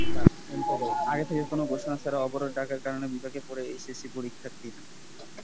আগে থেকে কোনো ঘোষণা ছাড়া অবরোধ ডাকার কারণে বিপাকে পড়ে এইচএসসি পরীক্ষার্থীরা।